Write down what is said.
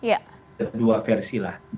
ada dua versi lah